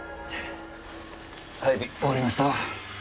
配備終わりました。